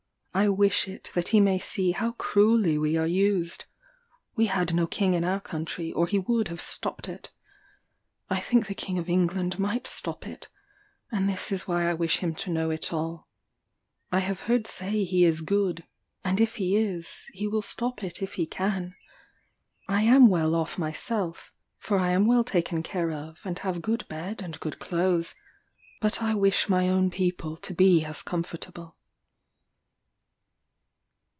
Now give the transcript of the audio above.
I wish it that he may see how cruelly we are used. We had no king in our country, or he would have stopt it. I think the king of England might stop it, and this is why I wish him to know it all. I have heard say he is good; and if he is, he will stop it if he can. I am well off myself, for I am well taken care of, and have good bed and good clothes; but I wish my own people to be as comfortable."